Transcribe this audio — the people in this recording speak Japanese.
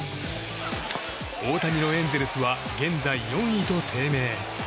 大谷のエンゼルスは現在４位と低迷。